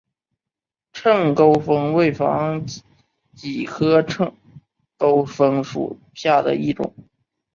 秤钩风为防己科秤钩风属下的一个种。